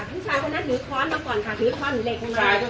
เค้าถืออะไรมา